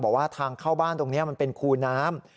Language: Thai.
บอกว่าทางเข้าบ้านตรงนี้มันเป็นคูน้ำ